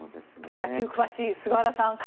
野球に詳しい菅原さん